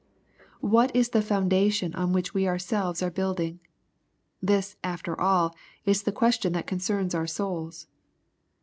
What is the foundation on which we ourselves are building ? This, after all, is the question that concerns our souls.